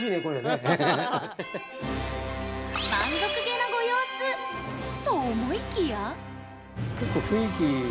満足げなご様子と思いきや。